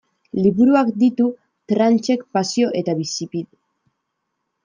Liburuak ditu Tranchek pasio eta bizibide.